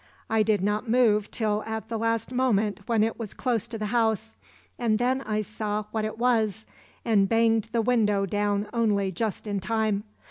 I did not move till at the last moment when it was close to the house; and then I saw what it was and banged the window down only just in time.